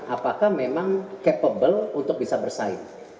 apakah memang capable untuk bisa bersaing